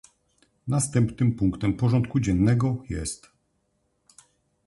Następnym punktem porządku dziennego jest